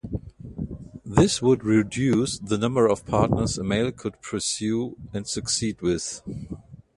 This would reduce the number of partners a male could pursue and succeed with.